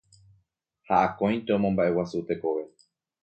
ha akóinte omomba'eguasu tekove